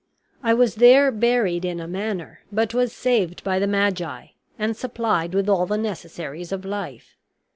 I was there buried in a manner; but was saved by the magi; and supplied with all the necessaries of life.